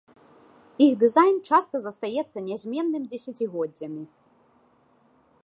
Іх дызайн часта застаецца нязменным дзесяцігоддзямі.